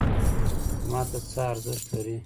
ماته څه ارزښت لري؟